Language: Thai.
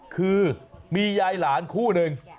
คือมียายหลานคู่หนึ่ง